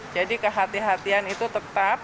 jadi kehatian kehatian itu tetap